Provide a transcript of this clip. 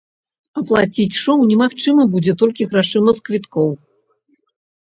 Аплаціць шоў немагчыма будзе толькі грашыма з квіткоў.